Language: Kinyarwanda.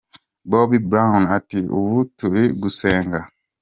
Bobbi Brown ati “Ubu turi gusenga”.